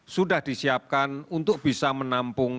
sudah disiapkan untuk bisa menampung